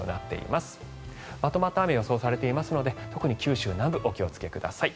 まとまった雨が予想されていますので特に九州南部お気をつけください。